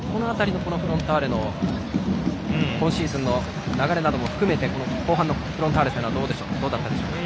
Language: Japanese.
フロンターレの今シーズンの流れなども含めて後半のフロンターレはどうだったでしょうか？